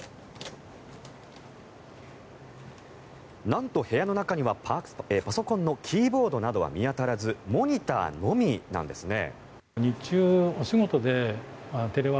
なんと部屋の中にはパソコンのキーボードなどは見当たらずモニターのみなんですね。